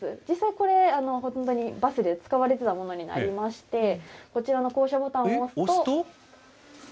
実際これ、本当にバスで使われてたものになりまして、こちらの降車ボタンを押すと。